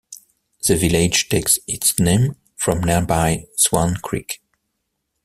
The village takes its name from nearby Swan Creek.